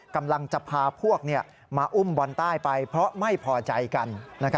กำลังจะพาพวกมาอุ้มบอลใต้ไปเพราะไม่พอใจกัน